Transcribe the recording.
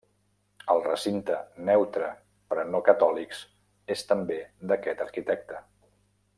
El recinte neutre per a no catòlics és també d'aquest arquitecte.